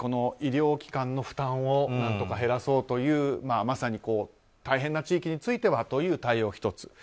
医療機関の負担を何とか減らそうというまさに大変な地域についてはという対応が１つ。